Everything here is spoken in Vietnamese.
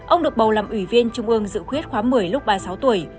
ông được bầu làm ủy viên trung ương dự khuyết khóa một mươi lúc ba mươi sáu tuổi